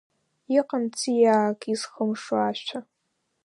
Иҟам ҵиаак изхымшо ашәа.